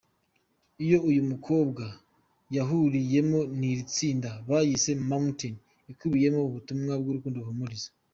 Iyo uyu mukobwa yahuriyemo n’iri tsinda bayise "Mountain" ikubiyemo ubutumwa bw’urukundo buhumuriza.